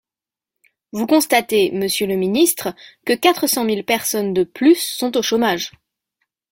Vous constatez, monsieur le ministre, que quatre cent mille personnes de plus sont au chômage.